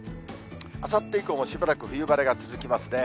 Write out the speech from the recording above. あさって以降もしばらく冬晴れが続きますね。